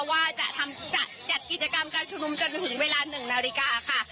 ว่าจะจัดกิจกรรมการชุมนุมจนถึงเวลา๑นาฬิกาค่ะ